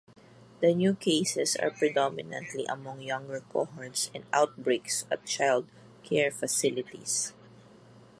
The new cases are predominantly among younger cohorts and outbreaks at child care facilities.